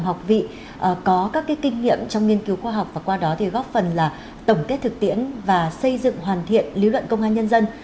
học vị có các kinh nghiệm trong nghiên cứu khoa học và qua đó thì góp phần là tổng kết thực tiễn và xây dựng hoàn thiện lý luận công an nhân dân